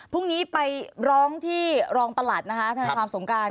พรุ่งนี้ไปร้องที่รองประหลัดนะคะธนาความสงการ